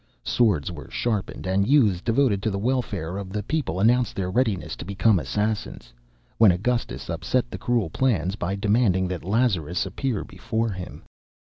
Swords were sharpened and youths devoted to the welfare of the people announced their readiness to become assassins, when Augustus upset the cruel plans by demanding that Lazarus appear before him.